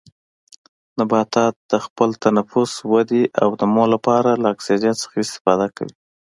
نباتات د خپل تنفس، ودې او نمو لپاره له اکسیجن څخه استفاده کوي.